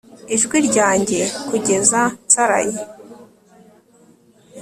ijwi ryanjye kugeza nsaraye